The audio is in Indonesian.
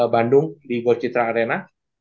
bandung di gochitra arena